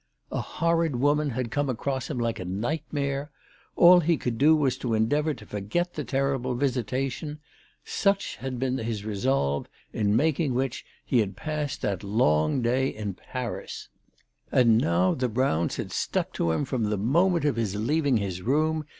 A horrid woman had come across him like a nightmare. All he could do was to endeavour to forget the terrible visitation. Such had been his resolve, in making which he had passed that long day in Paris. And 254 CHRISTMAS AT THOMPSON HALL. now the Browns had stuck to him from the moment of his leaving his room